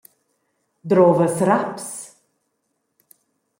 Drovas raps?